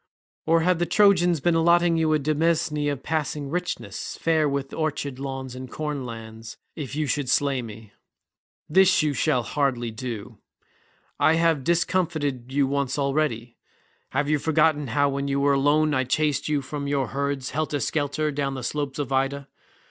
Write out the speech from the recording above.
Or have the Trojans been allotting you a demesne of passing richness, fair with orchard lawns and corn lands, if you should slay me? This you shall hardly do. I have discomfited you once already. Have you forgotten how when you were alone I chased you from your herds helter skelter down the slopes of Ida?